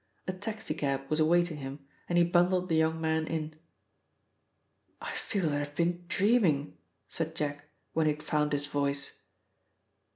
A taxi cab was awaiting him and he bundled the young man in. "I feel that I've been dreaming," said Jack when he had found his voice.